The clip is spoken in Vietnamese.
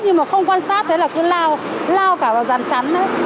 nhưng mà không quan sát thế là cứ lao lao cả vào dàn chắn ấy